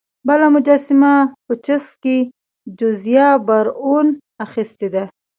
بله مجسمه په چیسوک کې جوزیا براون اخیستې ده.